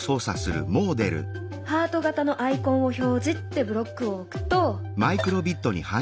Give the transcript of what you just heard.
「ハート形のアイコンを表示」ってブロックを置くと。